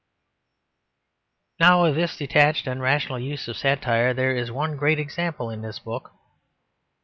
Now of this detached and rational use of satire there is one great example in this book.